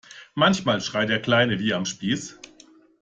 Manchmal schreit der Kleine wie am Spieß.